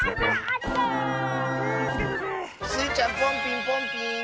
スイちゃんポンピンポンピーン！